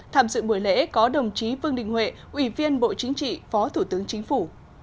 tham dự buổi lễ có đồng chí vương đình huệ ủy viên bộ chính trị phó thủ tướng chính phủ